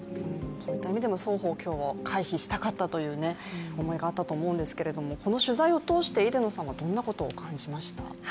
その意味でも双方、回避したかったという思いがあったと思うんですけどもこの取材を通してどんなことを感じましたか。